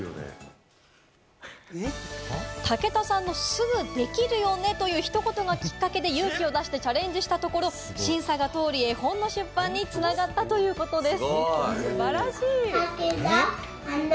武田さんの「すぐできるよね。」という一言がきっかけで、勇気を出してチャレンジしたところ、審査が通り、絵本の出版に繋がったということです。